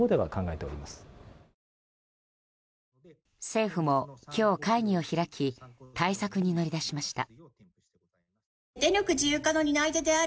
政府も今日、会議を開き対策に乗り出しました。